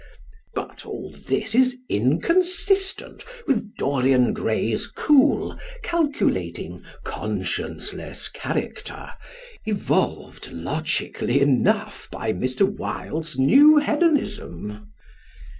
But all this is inconsistent with Dorian Gray's cool, calculating, conscienceless character, evolved logically enough by Mr Wilde's "New Hedonism."